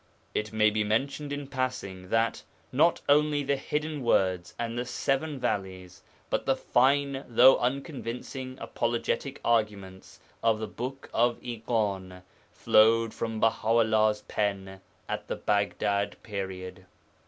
It may be mentioned in passing that, not only the Hidden Words and the Seven Valleys, but the fine though unconvincing apologetic arguments of the Book of Ighan flowed from Baha 'ullah's pen at the Baghdad period.